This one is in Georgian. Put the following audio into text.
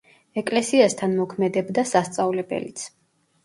ეკლესიასთან მოქმედებდა სასწავლებელიც.